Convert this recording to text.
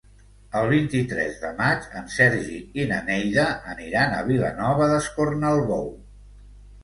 El vint-i-tres de maig en Sergi i na Neida aniran a Vilanova d'Escornalbou.